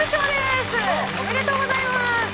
おめでとうございます！